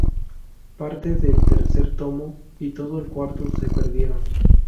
Parte del tercer tomo y todo el cuarto se perdieron.